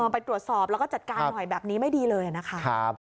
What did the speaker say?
ไปตรวจสอบแล้วก็จัดการหน่อยแบบนี้ไม่ดีเลยนะคะ